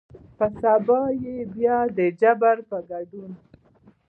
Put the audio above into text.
په سبا يې بيا دجبار په ګدون